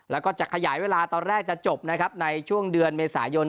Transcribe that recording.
แล้วก็จะขยายเวลาตอนแรกจะจบนะครับในช่วงเดือนเมษายน